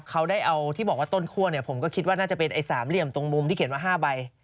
เขาได้เอาที่บอกว่าต้นคั่วเนี่ยผมก็คิดว่าน่าจะเป็นไอ้สามเหลี่ยมตรงมุมที่เขียนมา๕ใบ